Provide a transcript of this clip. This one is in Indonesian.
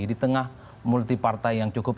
di tengah multi partai yang cukup